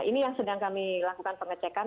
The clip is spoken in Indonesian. ini yang sedang kami lakukan pengecekan